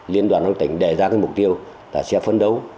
liên đoàn lao động tỉnh đề ra cái mục tiêu là sẽ phấn đấu